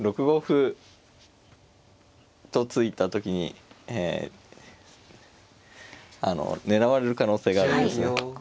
６五歩と突いた時にえあの狙われる可能性があるんですね。